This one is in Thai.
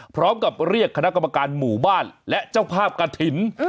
พร้อมกับเรียกคณะกรรมการหมู่บ้านและเจ้าภาพกระถิ่น